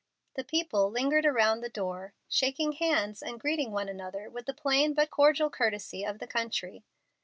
The people lingered around the door, shaking hands and greeting one another with the plain but cordial courtesy of the country.